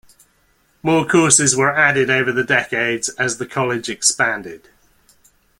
More courses were added over the decades as the college expanded.